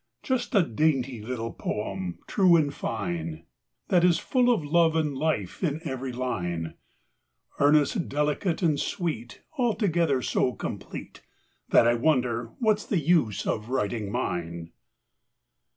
Just a dainty little poem, true and fine, That is full of love and life in every line, Earnest, delicate, and sweet, Altogether so complete That I wonder what's the use of writing mine.